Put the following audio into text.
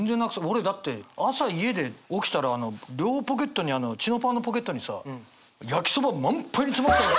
俺だって朝家で起きたら両ポケットにチノパンのポケットにさ焼きそばパンパンに詰まってた。